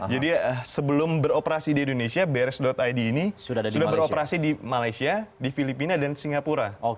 jadi sebelum beroperasi di indonesia brs id ini sudah beroperasi di malaysia di filipina dan singapura